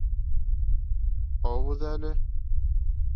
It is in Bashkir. Һаубыҙ әле...